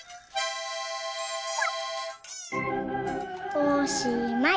おしまい！